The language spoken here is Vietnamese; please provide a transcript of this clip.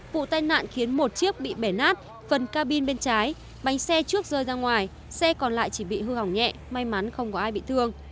vụ tai nạn khiến một chiếc bị bể nát phần ca bin bên trái bánh xe trước rơi ra ngoài xe còn lại chỉ bị hư hỏng nhẹ may mắn không có ai bị thương